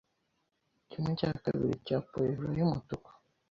kimwe cya kabiri cya poivron y’umutuku